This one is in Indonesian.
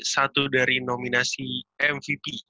satu dari nominasi mvp